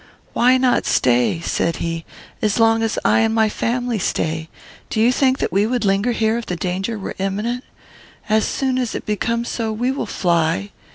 "'Why not stay,' said he, 'as long as I and my family stay? Do you think that we would linger here, if the danger were imminent? As soon as it becomes so, we will fly.